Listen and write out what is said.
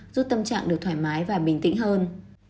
giúp tâm trạng được thoải mái và bình tĩnh hơn